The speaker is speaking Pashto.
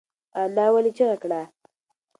انا ولې چیغه کړه؟